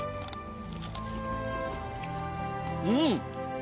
うん。